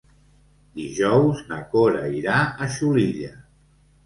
Dijous na Cora irà a Xulilla.